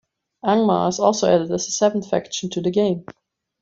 Angmar is also added as a seventh faction to the game.